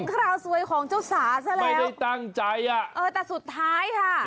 คราวสวยของเจ้าสาซะแล้วไม่ได้ตั้งใจอ่ะเออแต่สุดท้ายค่ะ